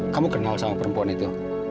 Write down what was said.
kamu kenal sama perempuan itu